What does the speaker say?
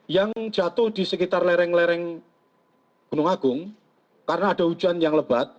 yang jatuh di sekitar lereng lereng gunung agung karena ada hujan yang lebat